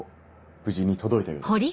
無事に届いたようです。